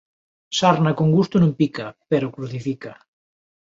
Sarna con gusto non pica, pero crucifica